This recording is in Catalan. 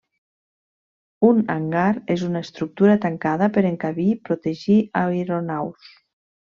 Un hangar és una estructura tancada per encabir, protegir aeronaus.